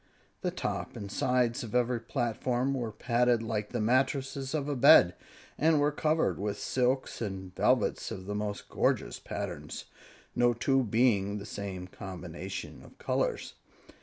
The top and sides of every platform were padded like the mattresses of a bed, and were covered with silks and velvets of the most gorgeous patterns, no two being of the same combinations of colors.